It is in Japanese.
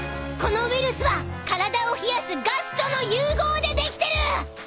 このウイルスは体を冷やすガスとの融合でできてる！